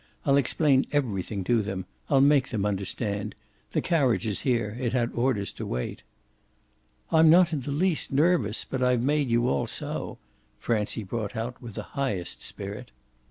I'll explain everything to them I'll make them understand. The carriage is here it had orders to wait." "I'm not in the least nervous, but I've made you all so," Francie brought out with the highest spirit.